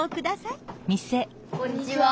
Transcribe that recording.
はいこんにちは！